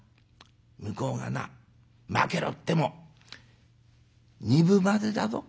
向こうがなまけろっても２分までだぞ。